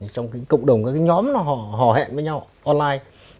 trong cái cộng đồng các cái nhóm họ hẹn với nhau online